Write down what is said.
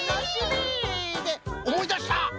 でおもいだした！